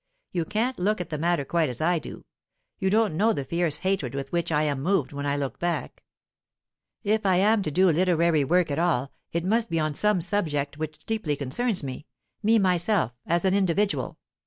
You can't look at the matter quite as I do; you don't know the fierce hatred with which I am moved when I look back. If I am to do literary work at all, it must be on some subject which deeply concerns me me myself, as an individual.